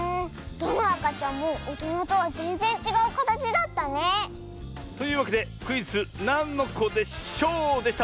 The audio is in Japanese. どのあかちゃんもおとなとはぜんぜんちがうかたちだったね。というわけでクイズ「なんのこでショー」でした！